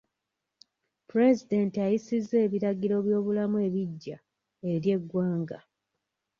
Pulezidenti ayisizza ebiragiro by'obulamu ebigya eri eggwanga.